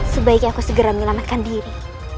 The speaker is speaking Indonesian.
sebaiknya aku segera menyelamatkan diri